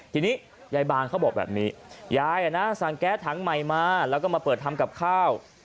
ทีนี้ยายบางเขาบอกแบบนี้ยายสั่งแก๊สถังใหม่มาแล้วก็มาเปิดทำกับข้าว